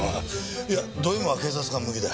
いやドＭは警察官向きだ。